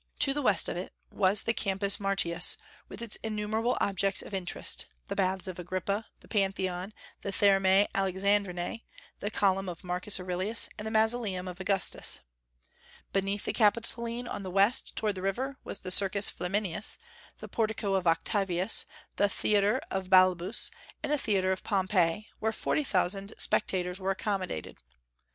To the west of it was the Campus Martius, with its innumerable objects of interest, the Baths of Agrippa, the Pantheon, the Thermae Alexandrinae, the Column of Marcus Aurelius, and the Mausoleum of Augustus. Beneath the Capitoline on the west, toward the river, was the Circus Flaminius, the Portico of Octavius, the Theatre of Balbus, and the Theatre of Pompey, where forty thousand spectators were accommodated.